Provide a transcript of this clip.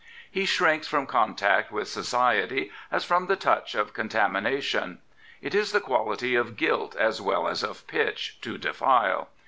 He shrinks from contact with Society as from the touch of contamination. It is the quality of gilt as well as of pitchTo defile.